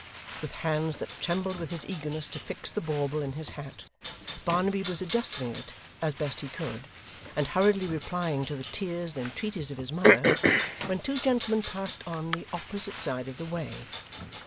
With hands that trembled with his eagerness to fix the bauble in his hat, Barnaby was adjusting it as he best could, and hurriedly replying to the tears and entreaties of his mother, when two gentlemen passed on the opposite side of the way.